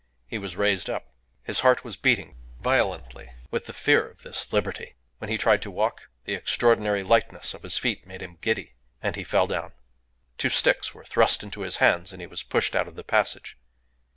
He was raised up. His heart was beating violently with the fear of this liberty. When he tried to walk the extraordinary lightness of his feet made him giddy, and he fell down. Two sticks were thrust into his hands, and he was pushed out of the passage.